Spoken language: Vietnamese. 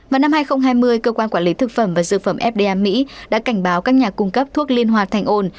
vào năm hai nghìn hai mươi cơ quan quản lý thực phẩm và dược phẩm fda mỹ đã cảnh báo các nhà cung cấp thuốc liên hoa thanh ôn